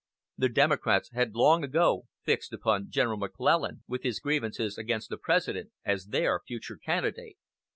The Democrats had long ago fixed upon General McClellan, with his grievances against the President, as their future candidate.